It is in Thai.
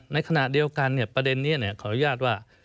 ในขณะเดียวกันประเด็นนี้ขออนุญาตว่า